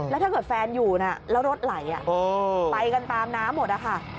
แล้วถ้าเกิดแฟนอยู่แล้วรถไหลไปกันตามน้ำหมดนะคะ